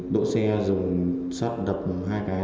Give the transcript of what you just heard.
đỗ xe dùng sắt đập hai cái